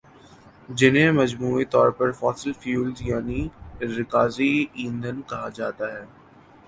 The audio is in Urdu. جنہیں مجموعی طور پر فوسل فیول یعنی رکازی ایندھن کہا جاتا ہے